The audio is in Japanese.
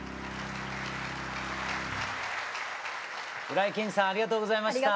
浦井健治さんありがとうございました。